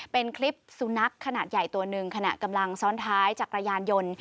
เป็นคลิปสุนัขขนาดใหญ่ตัวหนึ่งขณะกำลังซ้อนท้ายจักรยานยนต์